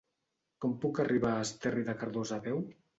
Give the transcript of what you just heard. Com puc arribar a Esterri de Cardós a peu?